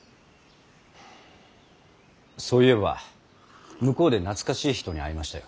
そういえば向こうで懐かしい人に会いましたよ。